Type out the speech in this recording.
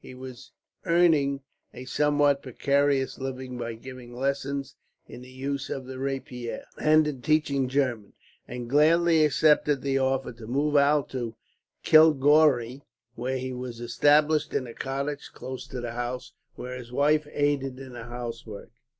He was earning a somewhat precarious living by giving lessons in the use of the rapier, and in teaching German; and gladly accepted the offer to move out to Kilgowrie, where he was established in a cottage close to the house, where his wife aided in the housework.